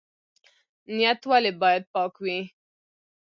نیت ولې باید پاک وي؟